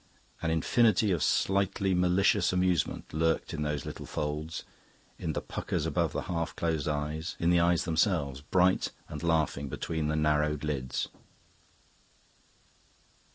An infinity of slightly malicious amusement lurked in those little folds, in the puckers about the half closed eyes, in the eyes themselves, bright and laughing between the narrowed lids.